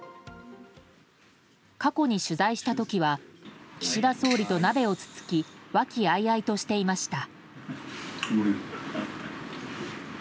過去に取材した時は岸田総理と鍋をつつき和気あいあいとしていました。